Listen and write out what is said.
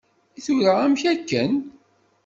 I tura amek akken?